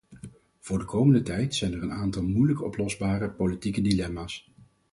Voor de komende tijd zijn er een aantal moeilijk oplosbare politieke dilemma's.